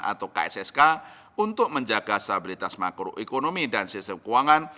atau kssk untuk menjaga stabilitas makroekonomi dan sistem keuangan